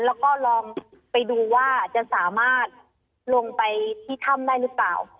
แล้วก็ลองไปดูว่าจะสามารถลงไปที่ถ้ำได้หรือเปล่า